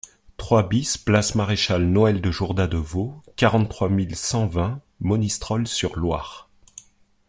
trois BIS place Maréchal Noël de Jourda Devaux, quarante-trois mille cent vingt Monistrol-sur-Loire